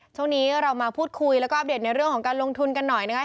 ช่วงนี้เรามาพูดคุยแล้วก็อัปเดตในเรื่องของการลงทุนกันหน่อยนะคะ